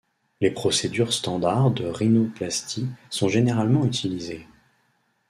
Les procédures standards de rhinoplastie sont généralement utilisées.